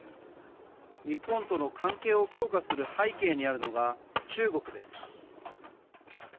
日本との関係を強化する背景にあるのが中国です。